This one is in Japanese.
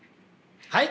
はい？